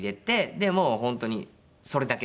でもう本当にそれだけ。